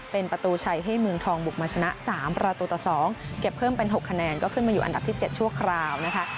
เป็นประตูชัยให้เมืองทองบุกมาชนะ๓ประตูต่อ๒เก็บเพิ่มเป็น๖คะแนนก็ขึ้นมาอยู่อันดับที่๗ชั่วคราวนะคะ